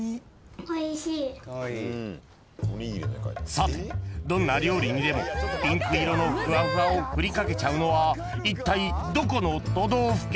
［さてどんな料理にでもピンク色のふわふわをふりかけちゃうのはいったいどこの都道府県？］